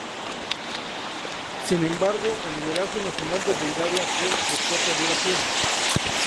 Sin embargo, el liderazgo nacional de Bulgaria fue de corta duración.